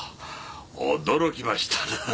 驚きましたな。